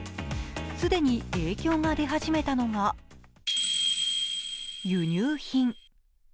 既に影響が出始めたのが輸入品。